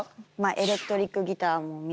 エレクトリックギターも皆さん